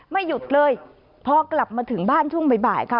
ไม่หยุดเลยพอกลับมาถึงบ้านช่วงบ่ายค่ะ